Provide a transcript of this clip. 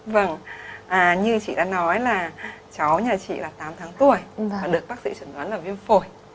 vâng như chị đã nói là cháu nhà chị là tám tháng tuổi được bác sĩ chuẩn đoán là viêm phổi